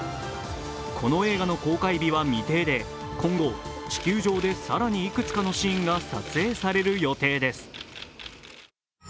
この映画の公開日は未定で、今後、地球上で更にいくつかのシーンが撮影される予定です。